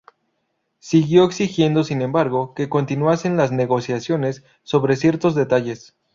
Siguió exigiendo, sin embargo, que continuasen las negociaciones sobre ciertos detalles.